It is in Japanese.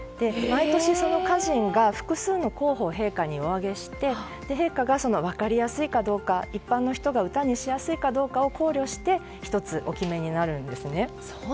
毎年、歌人が複数の候補を陛下にお上げして陛下が分かりやすいかどうか一般の人が歌にしやすいかどうかを考慮して１つお決めになるんですね。